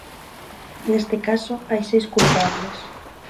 Neste caso hai seis culpables.